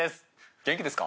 元気ですか？